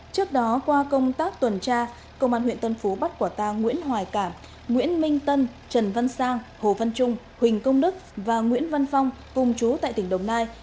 trước đó qua công tác tuần tra công an huyện tân phú bắt quả tang nguyễn hoài cảm nguyễn minh tân trần văn sang hồ văn trung huỳnh công đức và nguyễn văn phong cùng chú tại tỉnh đồng nai